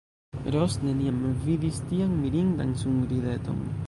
Ros neniam vidis tian mirindan sunrideton.